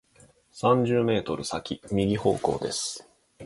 三十メートル先、右方向です。